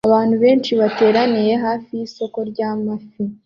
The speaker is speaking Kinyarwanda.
Abantu benshi bateraniye hafi yisoko ryamafi